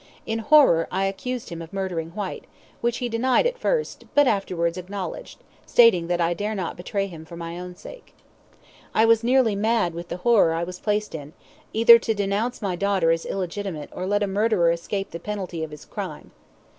In horror, I accused him of murdering Whyte, which he denied at first, but afterwards acknowledged, stating that I dare not betray him for my own sake. I was nearly mad with the horror I was placed in, either to denounce my daughter as illegitimate or let a murderer escape the penalty of his crime.